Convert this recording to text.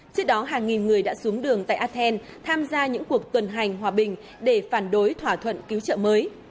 trước đó hàng nghìn người đã xuống đường tại athens tham gia những cuộc tuần hành hòa bình để phản đối thỏa thuận cứu trợ mới